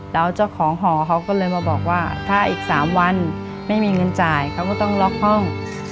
แล้วเจ้าของหอเขาก็เลยมาบอกว่าถ้าอีก๓วันไม่มีเงินจ่ายเขาก็ต้องล็อกห้อง